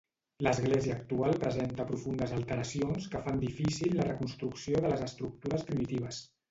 L'església actual presenta profundes alteracions que fan difícil la reconstrucció de les estructures primitives.